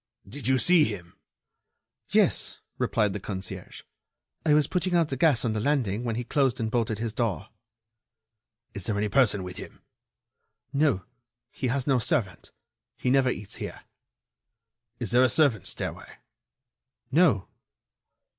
"Did you see him?" "Yes," replied the concierge, "I was putting out the gas on the landing when he closed and bolted his door." "Is there any person with him?" "No; he has no servant. He never eats here." "Is there a servants' stairway?" "No."